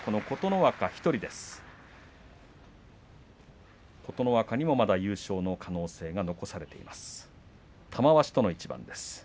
琴ノ若にもまだ優勝の可能性が残されています。